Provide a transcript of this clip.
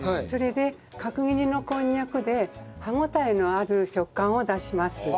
それで角切りのこんにゃくで歯応えのある食感を出します。